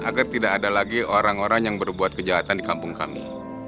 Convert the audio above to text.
agar tidak ada lagi orang orang yang berbuat kejahatan di kampung kami